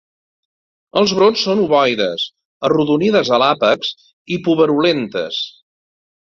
Els brots són ovoides, arrodonides a l'àpex i puberulentes.